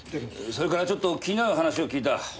それからちょっと気になる話を聞いた。